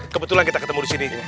kebetulan kita ketemu disini